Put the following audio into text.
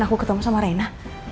aku ketemu sama reina